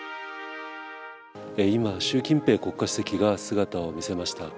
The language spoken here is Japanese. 今、習近平国家主席が姿を見せました。